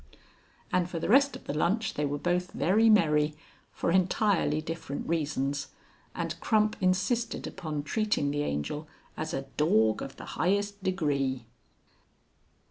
And for the rest of the lunch they were both very merry, for entirely different reasons, and Crump insisted upon treating the Angel as a "dorg" of the highest degree.